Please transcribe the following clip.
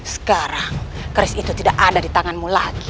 sekarang keris itu tidak ada di tanganmu lagi